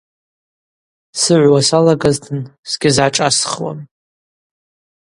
Сыгӏвуа салагазтын сгьызгӏашӏасхуам.